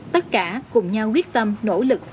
tất cả cùng nhau quyết tâm nỗ lực